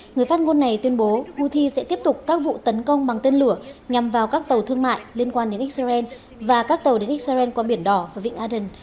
người phát ngôn này tuyên bố houthi sẽ tiếp tục các vụ tấn công bằng tên lửa nhằm vào các tàu thương mại liên quan đến israel và các tàu đến israel qua biển đỏ và vịnh aden